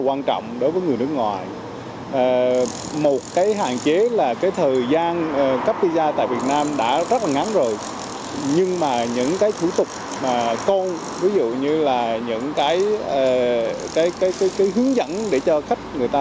quan trọng đối với người nước ngoài